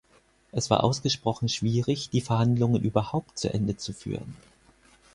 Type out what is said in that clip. Es war ausgesprochen schwierig, die Verhandlungen überhaupt zu Ende zu führen.